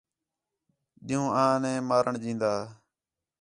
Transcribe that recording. ݙِین٘ہوں آ نے مارݨ ݙین٘دا